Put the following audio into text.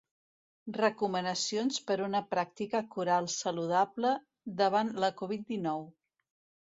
Recomanacions per una pràctica coral saludable davant la Covid dinou.